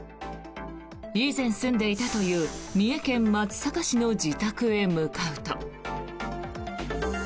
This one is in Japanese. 以前住んでいたという三重県松阪市の自宅へ向かうと。